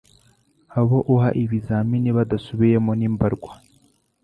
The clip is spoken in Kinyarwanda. abo uha ibizamini badasubiyemo ni mbarwa